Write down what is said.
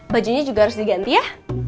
bajunya juga harus diganti ya